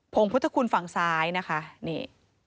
งพุทธคุณฝั่งซ้ายนะคะนี่